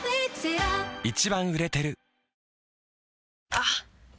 あっ！